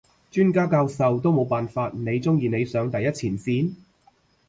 專家教授都冇辦法，你中意你上第一前線？